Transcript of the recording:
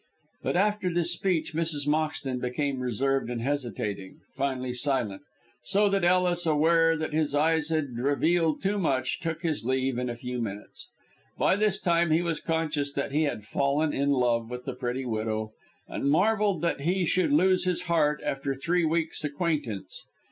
But after this speech Mrs. Moxton became reserved and hesitating, finally silent; so that Ellis, aware that his eyes had revealed too much, took his leave in a few minutes. By this time he was conscious that he had fallen in love with the pretty widow, and marvelled that he should lose his heart after three weeks' acquaintance.